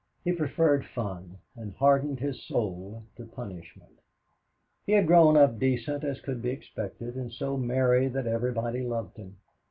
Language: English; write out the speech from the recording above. He preferred fun, and hardened his soul to punishment. He had grown up decent as could be expected, and so merry that everybody loved him.